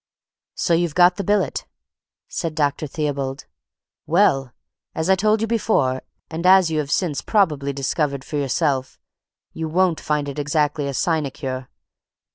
"So you've got the billet," said Dr. Theobald. "Well, as I told you before, and as you have since probably discovered for yourself, you won't find it exactly a sinecure.